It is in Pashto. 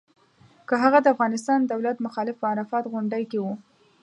که هغه د افغانستان دولت مخالف په عرفات غونډۍ کې و.